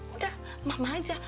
udah mama aja